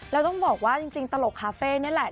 แล้วต้องบอกว่าจริงตลกคาเฟ่นี่แหละ